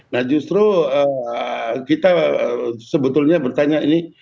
nah justru kita sebetulnya bertanya ini